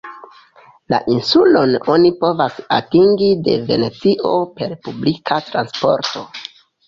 La insulon oni povas atingi de Venecio per publika transporto.